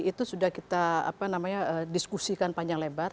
itu sudah kita diskusikan panjang lebar